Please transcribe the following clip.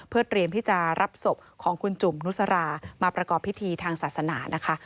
เพื่อเตรียมที่จะรับศพของคุณจุ่มนุสรามาประกอบพิธีทางศาสนานะคะ